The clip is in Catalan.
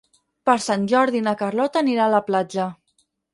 Per Sant Jordi na Carlota anirà a la platja.